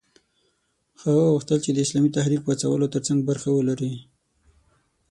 هغه غوښتل د اسلامي تحریک پاڅولو ترڅنګ برخه ولري.